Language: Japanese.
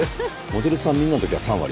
「モデルさんみんな」の時は３割。